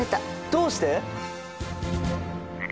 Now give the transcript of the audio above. どうして？